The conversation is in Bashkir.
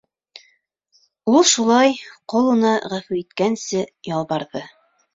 Ул шулай ҡол уны ғәфү иткәнсе ялбарҙы.